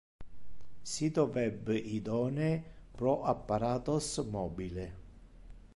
Sito web idonee pro apparatos mobile.